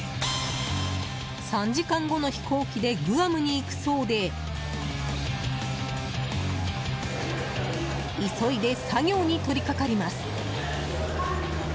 ３時間後の飛行機でグアムに行くそうで急いで作業に取りかかります。